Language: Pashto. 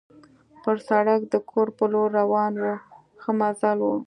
پر سړک د کور په لور روان وو، ښه مزل وو.